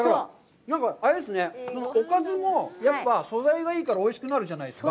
なんかあれですね、おかずも素材がいいからおいしくなるじゃないですか。